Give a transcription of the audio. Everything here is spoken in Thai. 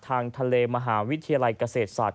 ทางทะเลมหาวิทยาลัยเกษตรศาสต